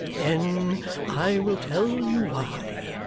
Then I will tell you why.